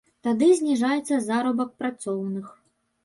Тады зніжаецца заробак працоўных.